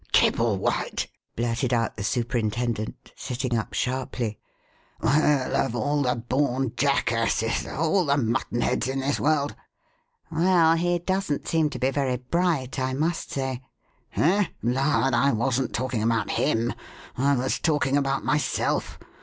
'" "Kibblewhite!" blurted out the superintendent, sitting up sharply. "Well, of all the born jackasses, of all the mutton heads in this world " "Well, he doesn't seem to be very bright, I must say." "He? Lud! I wasn't talking about him; I was talking about myself.